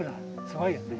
すごいよね？